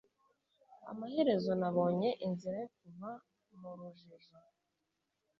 Amaherezo nabonye inzira yo kuva mu rujijo.